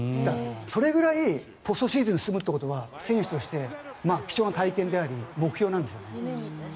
それぐらいポストシーズンに進むということは選手として貴重な体験であり目標なんですね。